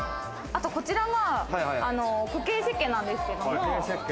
あと、こちらは固形石鹸なんですけども。